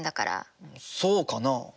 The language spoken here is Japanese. そうかな？